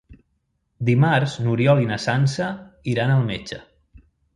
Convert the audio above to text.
Dimarts n'Oriol i na Sança iran al metge.